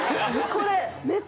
これ。